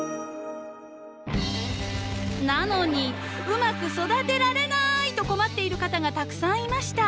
なのに「うまく育てられない！」と困っている方がたくさんいました。